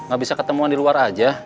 gak bisa ketemuan di luar aja